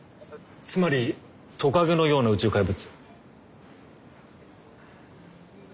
つまりトカゲのような宇宙怪物？